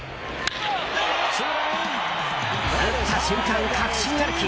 打った瞬間、確信歩き。